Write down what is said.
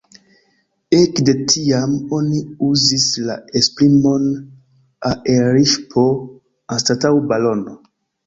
Ekde tiam oni uzis la esprimon aerŝipo anstataŭ balono.